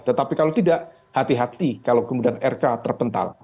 tetapi kalau tidak hati hati kalau kemudian rk terpental